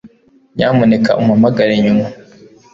Nyamuneka umpamagare nyuma